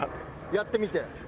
やってみて。